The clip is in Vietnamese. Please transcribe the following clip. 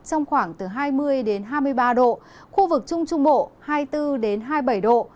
trong khoảng từ hai mươi hai mươi ba độ khu vực trung trung bộ hai mươi bốn hai mươi bảy độ